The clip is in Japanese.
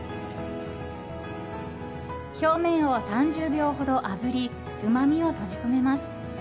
表面を３０秒ほどあぶりうまみを閉じ込めます。